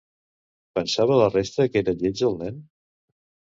Pensava la resta que era lleig el nen?